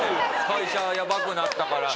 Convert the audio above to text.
会社やばくなったから。